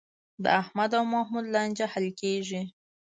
د احمد او محمود لانجه حل کېږي.